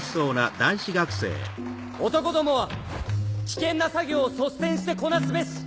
男どもは危険な作業を率先してこなすべし！